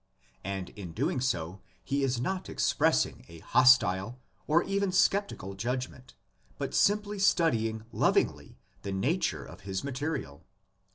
And in doing so he is not express ing a hostile or even skeptical judgment, but simply studying lovingly the nature of his material.